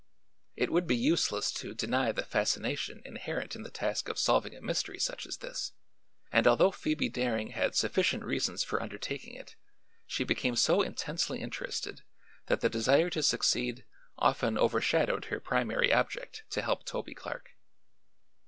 It would be useless to deny the fascination inherent in the task of solving a mystery such as this and although Phoebe Daring had sufficient reasons for undertaking it she became so intensely interested that the desire to succeed often overshadowed her primary object to help Toby Clark.